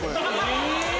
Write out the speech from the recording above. え！